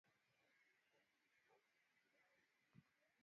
katika Wilaya ya Ziwa Njiani inayoitwa Mgogoro